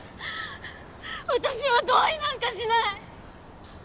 私は同意なんかしない！